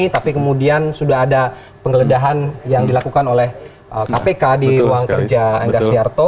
tapi kemudian sudah ada penggeledahan yang dilakukan oleh kpk di ruang kerja angga siarto